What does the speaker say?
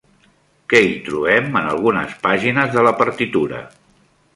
Què hi trobem en algunes pàgines de la partitura?